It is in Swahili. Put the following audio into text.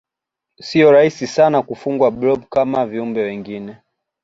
siyo rahisi sana kufugwa blob kama viumbe wengine